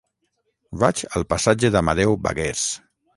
Vaig al passatge d'Amadeu Bagués.